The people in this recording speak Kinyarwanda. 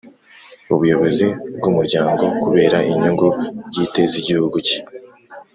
ubuyobozi bw'umuryango kubera inyungu bwite z'igihugu cye.